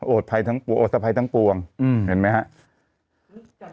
โอดทภัยทั้งปวงเห็นไหมฮะ